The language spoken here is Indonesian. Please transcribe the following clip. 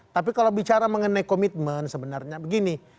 tapi kalau bicara mengenai komitmen sebenarnya begini